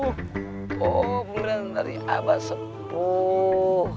oh pemulihan dari aba sepuh